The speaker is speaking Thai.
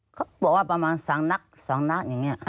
เขาบอกว่าประมาณ๓นัด๒นัดอย่างนี้